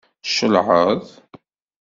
Tcelɛeḍ?